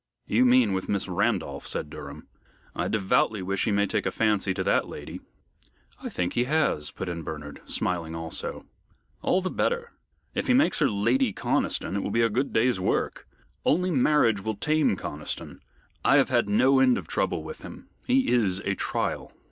"You mean with Miss Randolph," said Durham. "I devoutly wish he may take a fancy to that lady " "I think he has," put in Bernard, smiling also. "All the better. If he makes her Lady Conniston, it will be a good day's work. Only marriage will tame Conniston. I have had no end of trouble with him. He is a trial."